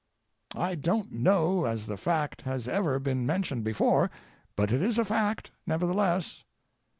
I don't know as the fact has ever been mentioned before, but it is a fact, nevertheless.